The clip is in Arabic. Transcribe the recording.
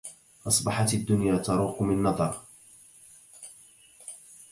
أصبحت الدنيا تروق من نظر